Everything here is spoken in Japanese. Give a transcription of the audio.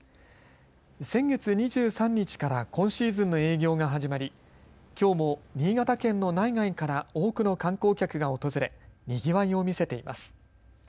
先月２３日から今シーズンの営業が始まり、きょうも新潟県の内外から多くの観光客が訪れにぎわいを見せています。